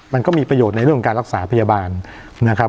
มันก็มีประโยชน์ในเรื่องของการรักษาพยาบาลนะครับ